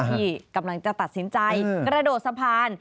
ที่กำลังจะตัดสินใจกระโดดสะพาน